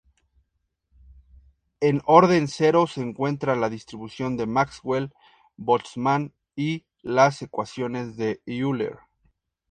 En orden cero se encuentra la distribución de Maxwell-Boltzmann y las ecuaciones de Euler.